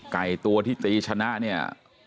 ไก่ตัวที่ตีชนะเนี่ย